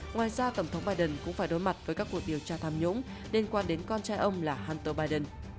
ngoài ra tổng thống biden cũng phải đối mặt với các cuộc điều tra tham nhũng liên quan đến con trai ông là hanter biden